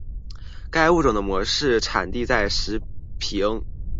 该物种的模式产地在石屏。